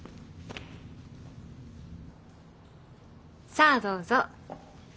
さあどうぞ。